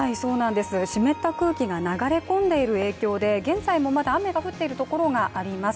湿った空気が流れ込んでいる影響で、現在もまだ雨が降っているところがあります。